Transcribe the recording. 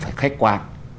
phải khách quan